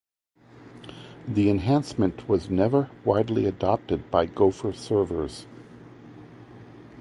The enhancement was never widely adopted by Gopher servers.